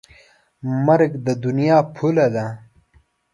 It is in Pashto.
مرګ د دنیا پوله ده.